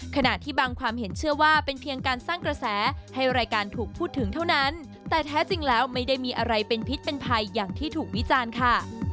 ขณะที่บางความเห็นเชื่อว่าเป็นเพียงการสร้างกระแสให้รายการถูกพูดถึงเท่านั้นแต่แท้จริงแล้วไม่ได้มีอะไรเป็นพิษเป็นภัยอย่างที่ถูกวิจารณ์ค่ะ